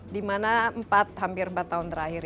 di mana empat hampir empat tahun terakhir